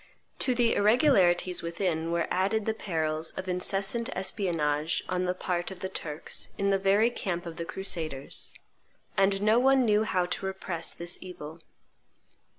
To the irregularities within were added the perils of incessant espionage on the part of the Turks in the very camp of the crusaders: and no one knew how to repress this evil.